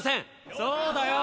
そうだよ！